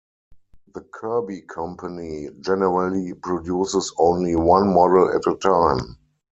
The Kirby Company generally produces only one model at a time.